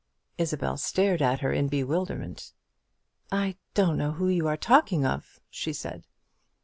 Isabel stared at her in bewilderment. "I don't know who you are talking of," she said.